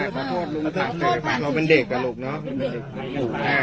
ขอโทษลุงภัณฑ์สื่อ